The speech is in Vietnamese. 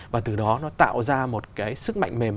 và từ đó nó tạo ra một cái sức mạnh mềm